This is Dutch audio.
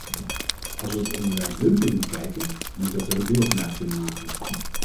Als we het onderwerp dumping bekijken, moet dat er deel van uit kunnen maken.